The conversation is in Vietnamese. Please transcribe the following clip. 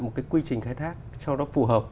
một cái quy trình khai thác cho nó phù hợp